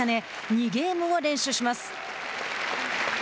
２ゲームを連取します。